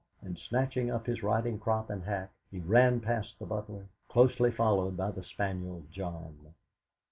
And snatching up his riding crop and hat, he ran past the butler, closely followed by the spaniel John.